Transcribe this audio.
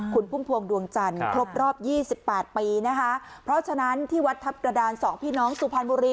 คุณพุ่มพวงดวงจันทร์ครบรอบยี่สิบแปดปีนะคะเพราะฉะนั้นที่วัดทัพกระดานสองพี่น้องสุพรรณบุรี